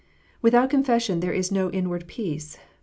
Without confession there is no inward peace.